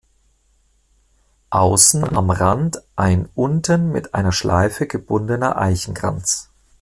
Außen am Rand ein unten mit einer Schleife gebundener Eichenkranz.